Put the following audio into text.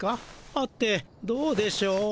はてどうでしょう。